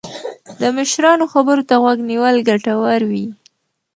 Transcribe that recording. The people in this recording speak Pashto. د مشرانو خبرو ته غوږ نیول ګټور وي.